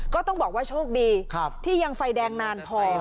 ก็ต้องบอกว่าโชคดีที่ยังไฟแดงนานพอ